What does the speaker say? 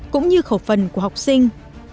cũng như khẩu phần của học sinh